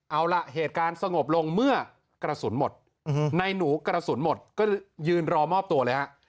เอาล่ะเหตุการณ์สงบลงเมื่อกระสุนหมดในหนูกระสุนหมดก็ยืนรอมอบตัวเลยฮะ